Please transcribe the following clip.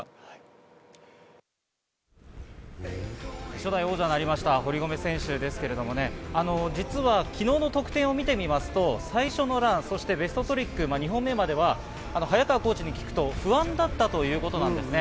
初代王者になりました堀米選手ですが、実は昨日の得点を見てみますと、最初のラン、ベストトリック２本目までは早川コーチに聞くと不安だったということなんですね。